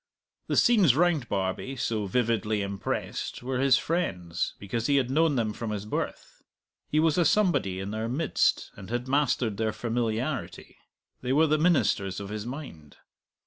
The scenes round Barbie, so vividly impressed, were his friends, because he had known them from his birth; he was a somebody in their midst and had mastered their familiarity; they were the ministers of his mind.